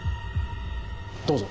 どうぞ。